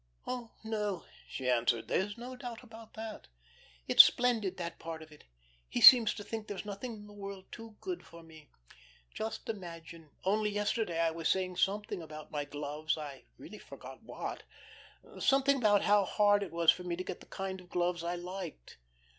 "Oh, no," she answered, "there's no doubt about that. It's splendid, that part of it. He seems to think there's nothing in the world too good for me. Just imagine, only yesterday I was saying something about my gloves, I really forget what something about how hard it was for me to get the kind of gloves I liked.